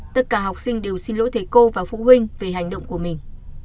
tất cả học sinh đều xin lỗi thầy cô và phụ huynh về hành động của mình